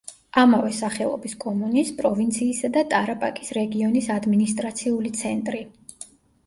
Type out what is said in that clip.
ამავე სახელობის კომუნის, პროვინციისა და ტარაპაკის რეგიონის ადმინისტრაციული ცენტრი.